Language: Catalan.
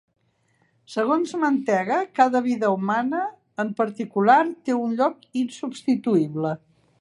Segons Mantega, cada vida humana en particular té un lloc insubstituïble.